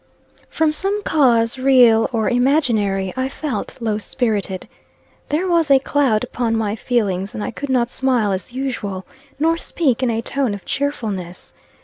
FROM some cause, real or imaginary, I felt low spirited. There was a cloud upon my feelings, and I could not smile as usual, nor speak in a tone of cheerfulness.